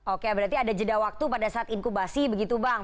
oke berarti ada jeda waktu pada saat inkubasi begitu bang